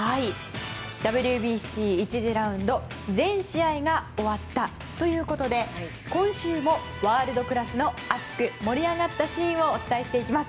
ＷＢＣ１次ラウンド全試合が終わったということで今週もワールドクラスの熱く盛り上がったシーンをお伝えしていきます。